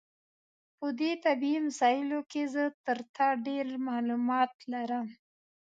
په دې طبي مسایلو کې زه تر تا ډېر معلومات لرم.